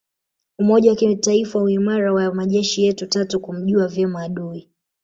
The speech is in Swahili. Umoja wa kitaifa uimara wa majeshi yetu tatu kumjua vyema adui